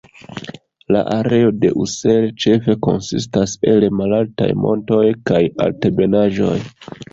La areo de Ussel ĉefe konsistas el malaltaj montoj kaj altebenaĵoj.